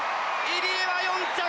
入江は４着！